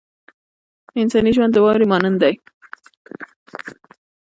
انساني ژوند د واورې مانند دی.